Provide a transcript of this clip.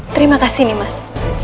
terima kasih nih mas